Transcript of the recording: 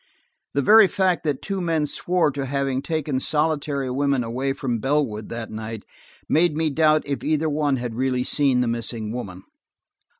The very fact that two men swore to having taken solitary women away from Bellwood that night, made me doubt if either one had really seen the missing woman.